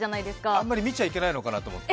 あんまり見ちゃいけないのかなと思って。